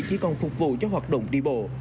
chỉ còn phục vụ cho hoạt động đi bộ